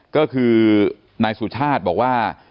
ก็คือนายสุชาติบอกว่า